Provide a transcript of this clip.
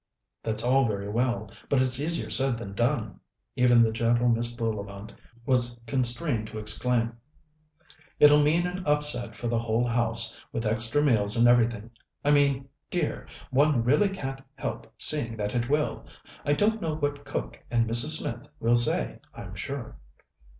"That's all very well, but it's easier said than done!" even the gentle Mrs. Bullivant was constrained to exclaim. "It'll mean an upset for the whole house, with extra meals and everything. I mean, dear, one really can't help seeing that it will. I don't know what cook and Mrs. Smith will say, I'm sure."